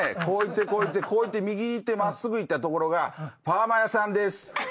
こう行ってこう行ってこう行って右に行って真っすぐ行った所がパーマ屋さんです。